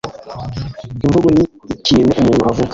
imvugo ni ikintu umuntu avuga